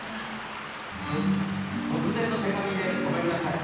突然の手紙で、ごめんなさい。